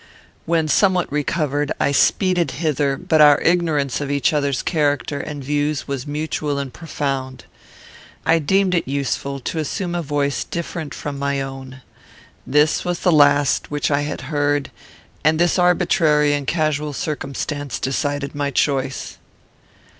When somewhat recovered, I speeded hither; but our ignorance of each other's character and views was mutual and profound. "I deemed it useful to assume a voice different from my own. This was the last which I had heard, and this arbitrary and casual circumstance decided my choice."